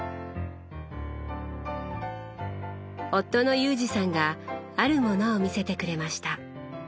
夫の裕二さんがあるものを見せてくれました。